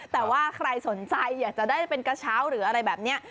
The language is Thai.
แต่ว่าใครสนใจอยากจะได้เป็นกระเช้าหรืออะไรแบบนี้